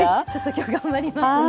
今日頑張りますね。